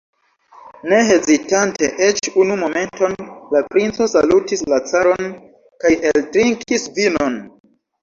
Ne hezitante eĉ unu momenton, la princo salutis la caron kaj eltrinkis vinon.